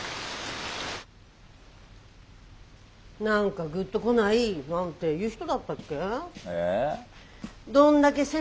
「何かグッとこない」なんて言う人だったっけ？